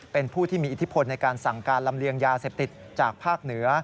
เป็นผู้ที่มีอิทธิพลในการสั่งการลำเลียงยาเสพติดจากภาคเหนือ